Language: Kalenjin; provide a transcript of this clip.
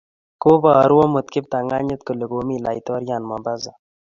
Kobaru amut kiptanganyit kole komi laitoriat Mombasa